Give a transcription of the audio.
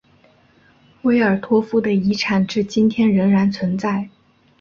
维尔托夫的遗产至今天仍然存在。